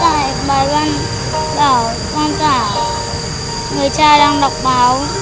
tại bài văn bảo con cả người cha đang đọc báo